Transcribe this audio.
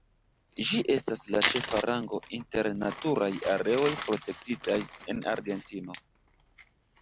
Ĝi estas la ĉefa rango inter Naturaj areoj protektitaj en Argentino.